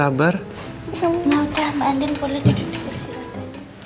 gak usah mbak andien boleh duduk di besi ratanya